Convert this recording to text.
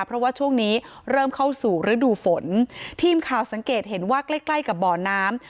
เพราะว่าช่วงนี้เริ่มเข้าสู่ฤดูฝนทีมข่าวสังเกตเห็นว่าใกล้ใกล้กับบ่อน้ำ